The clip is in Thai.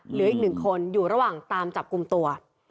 เหลืออีกหนึ่งคนอยู่ระหว่างตามจับกลุ่มตัว